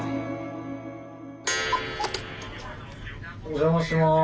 お邪魔します。